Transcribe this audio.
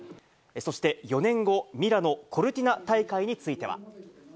そして４年後、ミラノ・コルティナ大会については。